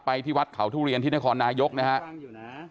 ที่วัดเขาทุเรียนที่นครนายกนะครับ